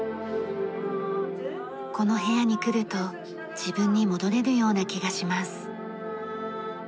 この部屋に来ると自分に戻れるような気がします。